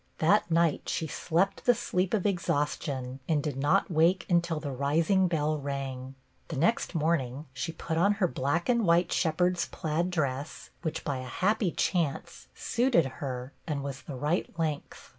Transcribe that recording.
That night she slept the sleep of exhaustion and did not wake until the rising bell rang. The next morning she put on her black and white shepherd's plaid dress which, by a happy chance, suited her and was the right length.